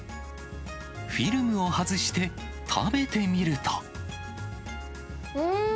フィルムを外して食べてみるうーん。